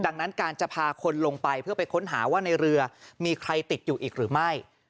ดังนั้นการจะพาคนลงไปเพื่อไปค้นหาว่าในเรือมีใครติดอยู่อีกหรือไม่